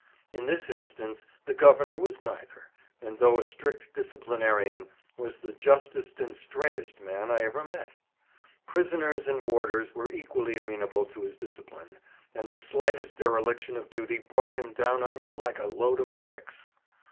In this instance the Governor was neither, and though a strict disciplinarian, was the justest and "straightest" man I ever met. Prisoners and warders were equally amenable to his discipline, and the slightest dereliction of duty brought him down on you like a load of bricks.